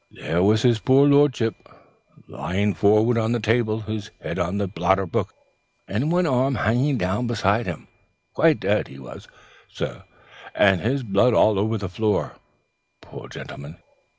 "There was his poor lordship lying forward on the table, his head on the blotting book, and one arm hanging down beside him. Quite dead, he was, sir, and his blood all on the floor, poor gentleman.